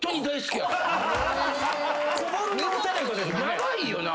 ヤバいよな。